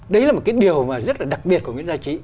đấy là một cái điều mà rất là đặc biệt của nguyễn gia trí